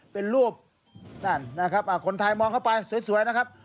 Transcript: เป็นรูปนั่นนะครับคนไทยมองเข้าไปสวยนะครับ